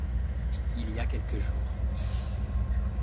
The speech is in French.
il y a quelques jours.